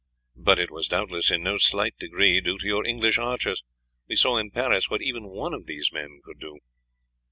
"But it was doubtless in no slight degree due to your English archers. We saw in Paris what even one of these men could do."